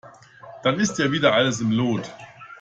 Dann ist ja wieder alles im Lot.